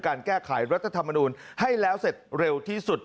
การแก้ไขรัฐธรรมนูลให้แล้วเสร็จเร็วที่สุด